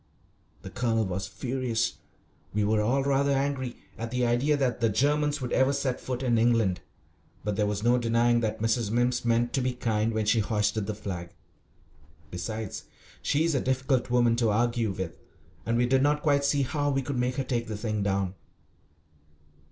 The Colonel was furious we were all rather angry at the idea that the Germans would ever set foot in England; but there was no denying that Mrs. Mimms meant to be kind when she hoisted the flag. Besides, she is a difficult woman to argue with, and we did not quite see how we could make her take the thing down.